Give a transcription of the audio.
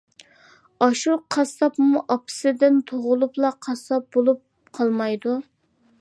ئاشۇ قاسساپمۇ ئاپىسىدىن تۇغۇلۇپلا قاسساپ بولۇپ قالمايدۇ.